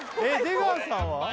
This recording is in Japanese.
出川さんは？